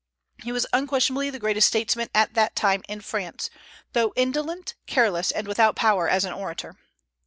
He was unquestionably the greatest statesman at that time in France, though indolent, careless, and without power as an orator.